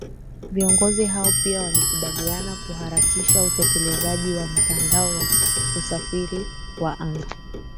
Viongozi hao pia walikubaliana kuharakisha utekelezaji wa mtandao wa usafiri wa anga